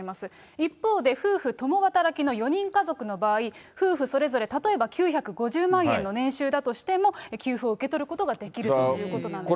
一方で、夫婦共働きの４人家族の場合、夫婦それぞれ例えば、９５０万円の年収だとしても、給付を受け取ることができるということなんですね。